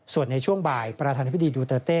ส่วนในช่วงบ่ายประธานธิบดีดูเตอร์เต้